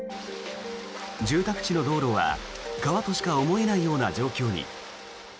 住宅地の道路は川としか思えないような状況に。